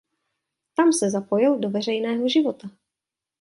Tam se zapojil do veřejného života.